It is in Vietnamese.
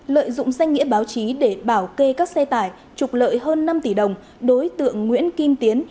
lợi dụng danh nghĩa báo chí để bảo kê các xe tải trục lợi hơn năm tỷ đồng đối tượng nguyễn kim tiến